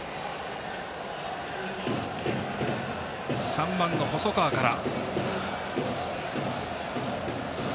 ３番の細川から。